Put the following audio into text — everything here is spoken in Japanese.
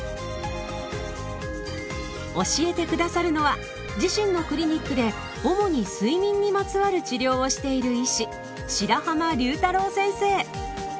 教えて下さるのは自身のクリニックで主に睡眠にまつわる治療をしている医師